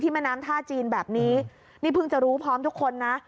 แม่น้ำท่าจีนแบบนี้นี่เพิ่งจะรู้พร้อมทุกคนนะ